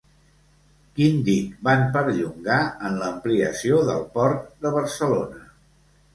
Quin dic van perllongar en l'ampliació del Port de Barcelona?